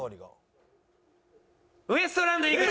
ウエストランド井口。